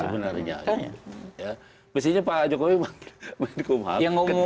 maksudnya pak jokowi menkumham